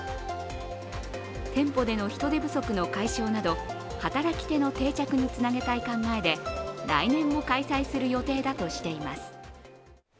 店舗での人手不足の解消など働き手の定着につなげたい考えで来年も開催する予定だとしています。